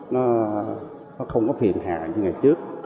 nó không có phiền hạ như ngày trước